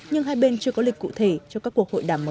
nhưng hai bên chưa có lịch cụ thể cho các cuộc hội đàm mới